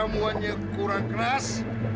semuanya kurang keras